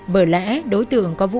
bởi lẽ đối tượng có vũ khí